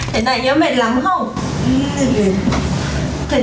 thế này nhớ mệt lắm không